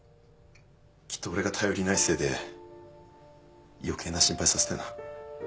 きっと俺が頼りないせいで余計な心配させたよな。